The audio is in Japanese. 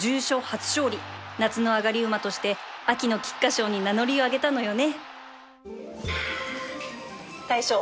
夏の上がり馬として秋の菊花賞に名乗りを上げたのよね